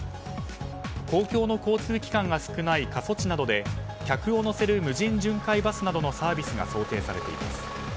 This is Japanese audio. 公共の交通機関が少ない過疎地などで客を乗せる無人巡回バスなどのサービスが想定されています。